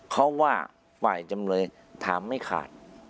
เขาว่าฝ่ายจำเลยถามไม่ขาด